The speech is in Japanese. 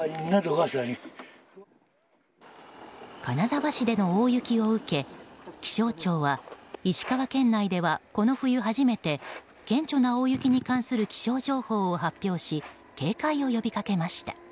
金沢市での大雪を受け気象庁は石川県内ではこの冬初めて顕著な大雪に関する気象情報を発表し、警戒を呼びかけました。